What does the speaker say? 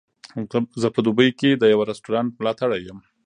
زه په دوبۍ کې د یوه رستورانت ملاتړی یم.